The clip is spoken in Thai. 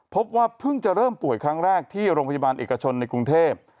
พบว่าเพิ่งจะเริ่มป่วยครั้งแรกที่โรงพยาบาลเอกชนในกรุงเทพ